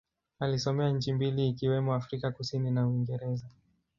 Alisomea nchi mbili ikiwemo Afrika Kusini na Uingereza.